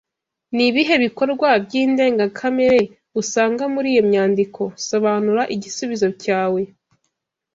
Ni ibihe bikorwa by’indengakamere usanga muri iyo myandiko Sobanura igisubizo cyawe